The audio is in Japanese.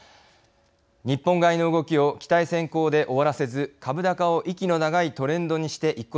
日本買いの動きを期待先行で終わらせず株高を息の長いトレンドにしていくことができるのか。